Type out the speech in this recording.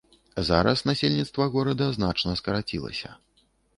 Зараз насельніцтва горада значна скарацілася.